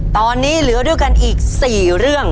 ตอนนี้เหลือด้วยกันอีก๔เรื่อง